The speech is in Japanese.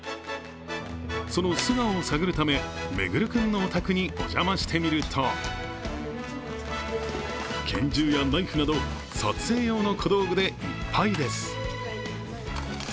その素顔を探るため、環君のお宅に邪魔してみると、拳銃やナイフなど撮影用の小道具でいっぱいです。